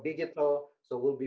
pergi ke ruang pribadi